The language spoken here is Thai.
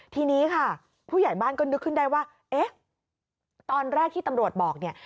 ทีนี้ค่ะผู้ใหญ่บ้านก็นึกขึ้นได้ว่าเอ๊ะตอนแรกที่ตำรวจบอกเนี่ย